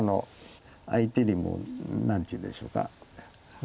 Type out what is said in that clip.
相手にも何ていうんでしょうか。